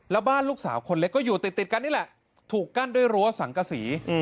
แล้วบ้านลูกสาวคนเล็กก็อยู่ติดกันนี่แหละถูกกั้นด้วยรั้วสังกษี